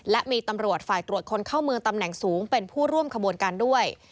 และมีตำรวจฝ่ายตรวจคนเข้าเมืองตำแหน่งสูงเป็นผู้ร่วมขบวนการด้วย